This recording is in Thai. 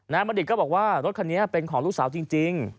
บัณฑิตก็บอกว่ารถคันนี้เป็นของลูกสาวจริง